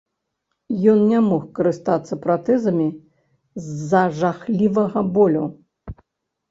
Ён не мог карыстацца пратэзамі з-за жахлівага болю.